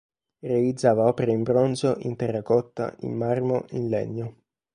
Realizzava opere in bronzo, in terracotta, in marmo, in legno.